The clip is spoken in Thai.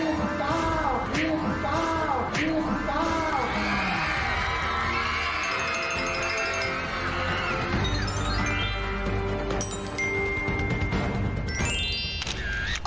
ภูมิก้าวภูมิก้าวภูมิก้าว